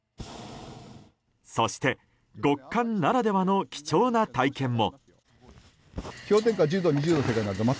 そして、極寒ならではの貴重な体験も。